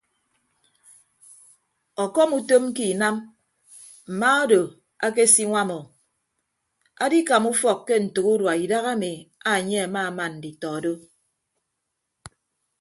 Ọkọm utom ke inam mma odo akesinwam o adikama ufọk ke ntәk urua idaha ami anye amaaman nditọ do.